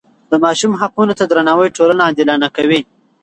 د ماشوم حقونو ته درناوی ټولنه عادلانه کوي.